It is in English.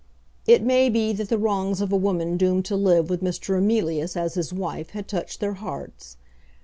It may be that the wrongs of a woman doomed to live with Mr. Emilius as his wife had touched their hearts.